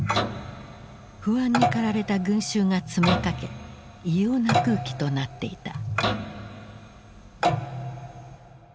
不安に駆られた群衆が詰めかけ異様な空気となっていた。